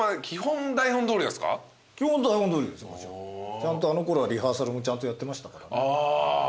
ちゃんとあのころはリハーサルもやってましたから。